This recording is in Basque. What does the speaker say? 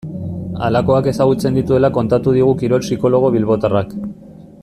Halakoak ezagutzen dituela kontatu digu kirol psikologo bilbotarrak.